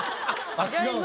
あっ違うの？